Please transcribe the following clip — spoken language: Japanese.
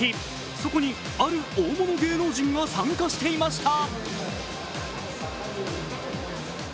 そこにある大物芸能人が参加していました。